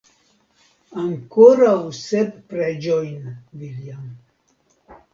Ankoraŭ sep preĝojn, viljam!